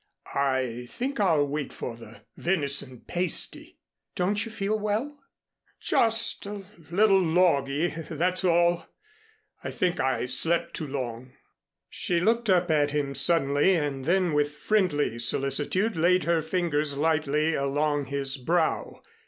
"I think I'll wait for the venison pasty." "Don't you feel well?" "Just a little loggy," that's all. "I think I slept too long." She looked up at him suddenly, and then with friendly solicitude, laid her fingers lightly along his brow.